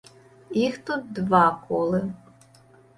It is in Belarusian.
Іх тут два колы.